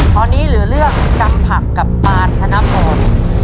ตอนนี้เหลือเรื่องกำผักกับปานธนพร